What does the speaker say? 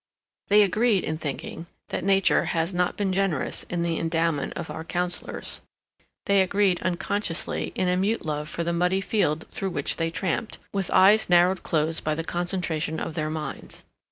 They agreed in thinking that nature has not been generous in the endowment of our councilors. They agreed, unconsciously, in a mute love for the muddy field through which they tramped, with eyes narrowed close by the concentration of their minds.